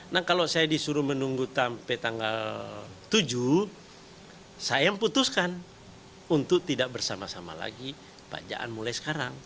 nah kalau saya disuruh menunggu sampai tanggal tujuh saya yang putuskan untuk tidak bersama sama lagi pak jaan mulai sekarang